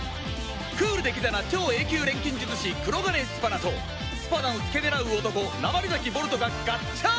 クールでキザな超 Ａ 級錬金術師黒鋼スパナとスパナを付け狙う男鉛崎ボルトがガッチャンコ！